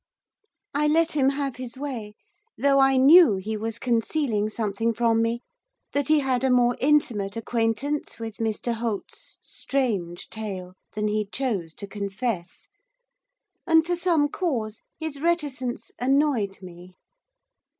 I let him have his way, though I knew he was concealing something from me; that he had a more intimate acquaintance with Mr Holt's strange tale than he chose to confess. And, for some cause, his reticence annoyed me.